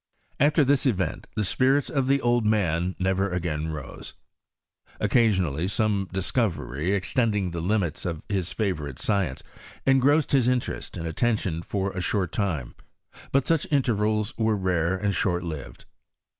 After this event the spirits of the old man never again rose. Occasionally some discovery, extend ing the limits of his favourite science, engrossed his interest and attention for a short time : but such intervals were rare, and shortlived.